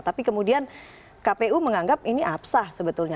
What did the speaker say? tapi kemudian kpu menganggap ini apsah sebetulnya